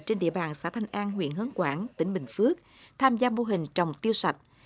trên địa bàn xã thanh an huyện hớn quảng tỉnh bình phước tham gia mô hình trồng tiêu sạch